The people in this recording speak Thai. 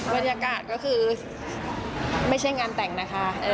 บรรยากาศก็คือไม่ใช่งานแต่งนะคะ